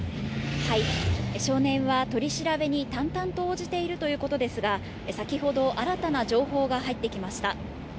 少年は、取り調べに淡々と応じているということですが、先ほど、新たな情報が入ってきました。